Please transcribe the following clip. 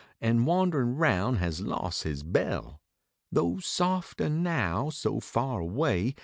An wanderin roun has los his bell ; Tho softer now so far away.